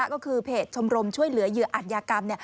ก็คือเพจชมรมช่วยเหลือเหยื่ออัตยากรรม